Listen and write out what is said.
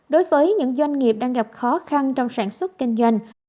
đối với những doanh nghiệp đang gặp khó khăn trong sản xuất kinh doanh